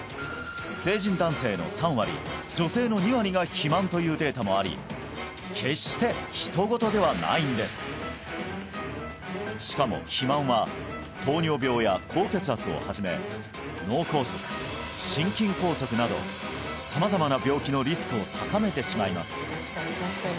成人男性の３割女性の２割が肥満というデータもあり決して人ごとではないんですしかも肥満は糖尿病や高血圧をはじめ脳梗塞心筋梗塞など様々な病気のリスクを高めてしまいます